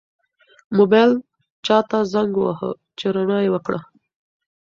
موبایل چا ته زنګ واهه چې رڼا یې وکړه؟